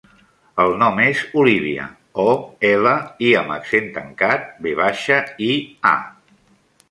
El nom és Olívia: o, ela, i amb accent tancat, ve baixa, i, a.